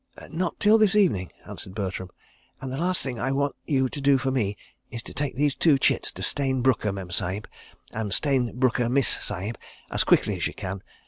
"Not till this evening," answered Bertram, "and the last thing I want you to do for me is to take these two chits to Stayne Brooker Mem Sahib and Stayne Brooker Miss Sahib as quickly as you can.